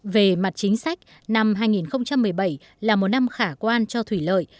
về mặt chính sách năm hai nghìn một mươi bảy là một năm khả quan cho thủy lợi